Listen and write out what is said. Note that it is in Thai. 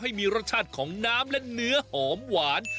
ให้มีรสชาติของน้ำและเนื้อหอมหวาน